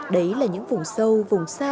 đấy là những vùng sâu vùng xa